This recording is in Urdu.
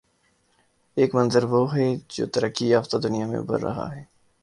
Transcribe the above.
ایک منظروہ ہے جو ترقی یافتہ دنیا میں ابھر رہا ہے۔